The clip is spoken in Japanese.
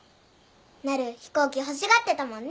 なる飛行機欲しがってたもんね。